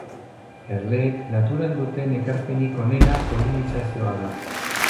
Erleek naturan duten ekarpenik onena polinizazioa da.